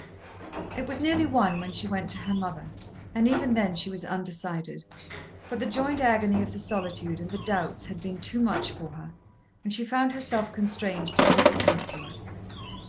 It was nearly one when she went to her mother and even then she was undecided. But the joint agony of the solitude and the doubts had been too much for her and she found herself constrained to seek a counsellor.